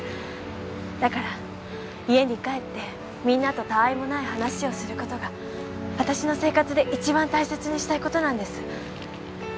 だから家に帰ってみんなと他愛もない話をする事が私の生活で一番大切にしたい事なんです。